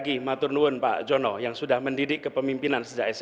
kemampuan yang diberikan oleh